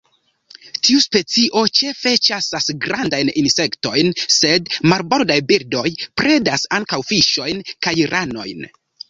Tiu specio ĉefe ĉasas grandajn insektojn, sed marbordaj birdoj predas ankaŭ fiŝojn kaj ranojn.